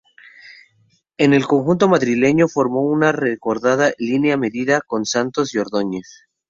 En el conjunto madrileño formó una recordada línea media con Santos y Ordóñez.